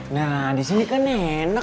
nah disini kan enak